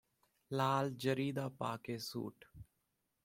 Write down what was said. ਲਾਲ ਜ਼ਰੀ ਦਾ ਪਾ ਕੇ ਸੂਟ